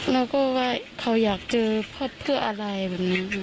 แล้วก็ว่าเขาอยากเจอพ่อเพื่ออะไรแบบนี้